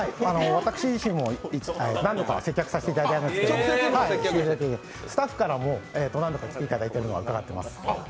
私自身も何度か接客させていただいたんですけれども、スタッフからも何度か来ていただいているのは伺っています。